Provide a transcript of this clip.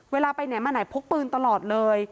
เวลาไปไหนมาไหนพกปืนตลอดเลย